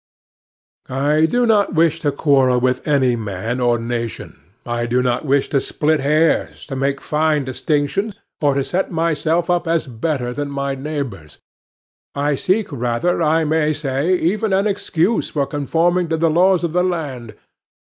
I do not wish to quarrel with any man or nation. I do not wish to split hairs, to make fine distinctions, or set myself up as better than my neighbors. I seek rather, I may say, even an excuse for conforming to the laws of the land.